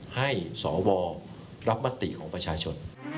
ให้สวรับมติของประชาชน